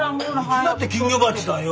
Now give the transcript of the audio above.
うちだって金魚鉢だよ。